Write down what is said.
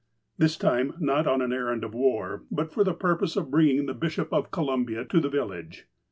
This time not on an errand of war, but for the purpose of bringing the Bishop of Columbia to the village.